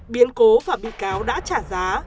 biến cố và bị cáo đã trả giá